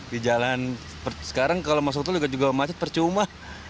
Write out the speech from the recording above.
di jalan sekarang kalau masuk tol juga macet percuma